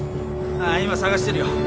ああ今捜してるよ。